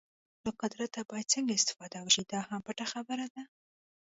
له قدرته باید څنګه استفاده وشي دا هم پټه خبره ده.